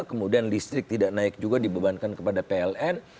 kemudian listrik tidak naik juga dibebankan kepada pln